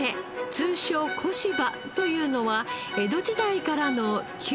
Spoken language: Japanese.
通称「小柴」というのは江戸時代からの旧地名です。